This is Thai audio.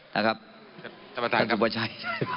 นะครับท่านสุประชาย